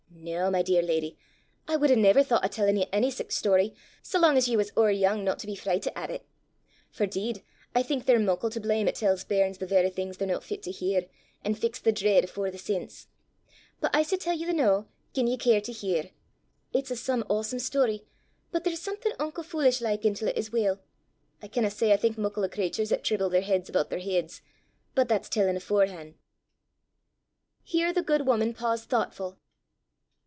"No, my dear leddy; I wud never hae thoucht o' tellin' ye ony sic story sae lang as ye was ower yoong no to be frichtit at it; for 'deed I think they're muckle to blame 'at tells bairns the varra things they're no fit to hear, an' fix the dreid afore the sense. But I s' tell ye the noo, gien ye care to hear. It's a some awsome story, but there's something unco fulish like intil 't as weel. I canna say I think muckle 'o craturs 'at trible their heids aboot their heids! But that's tellin' aforehan'!" Here the good woman paused, thoughtful.